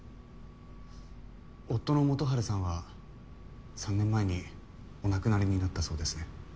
夫の元春さんは３年前にお亡くなりになったそうですね。